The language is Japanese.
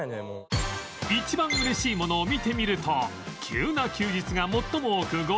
１番嬉しいものを見てみると急な休日が最も多く５人